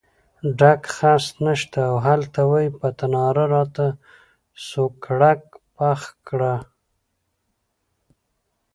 ډکی خس نشته او هلته وایې په تناره راته سوکړک پخ کړه.